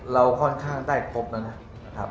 เราค่อนข้างได้พบนะครับ